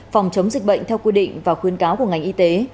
phòng chống dịch bệnh theo quy định và khuyến cáo của ngành y tế